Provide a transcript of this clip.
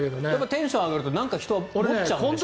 テンションが上がると人は持っちゃうんでしょうね。